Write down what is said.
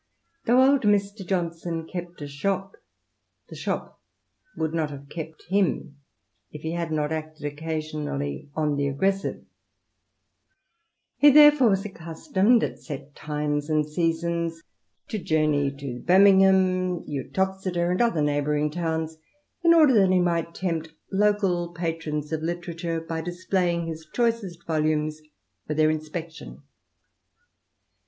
Though old Mr. Johnson kept a shop, the shop would not have kept him if he had not acted occasionally on the aggressive. He^ therefore, was accustomed, at set times and seasons, to journey to Birmingham, Uttoxeter, and other neighbouring 'iownSi in order that he might tempt local patrons of literature a ii INTRODUCTION. by displaying his choicest volumes for their inspection.